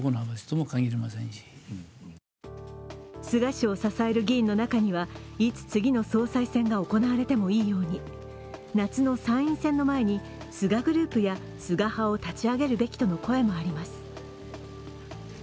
菅氏を支える議員の中には、いつ次の総裁選が行われてもいいように、夏の参院選の前に菅グループや菅派を立ち上げるべきとの声もあります。